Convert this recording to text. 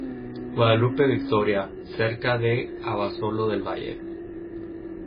Guadalupe Victoria, cerca de Abasolo del Valle